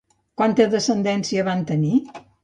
Quanta descendència van tenir?